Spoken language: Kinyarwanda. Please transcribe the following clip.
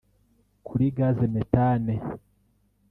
kuri Gaz methane